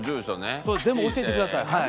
全部教えてください。